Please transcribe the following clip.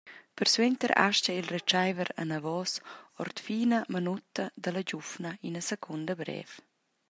Persuenter astga el retscheiver anavos, ord fina manutta dalla giuvna, ina secunda brev.